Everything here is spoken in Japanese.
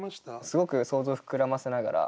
すごく想像膨らませながら。